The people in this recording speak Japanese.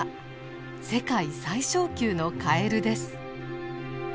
世界最小級のカエルです。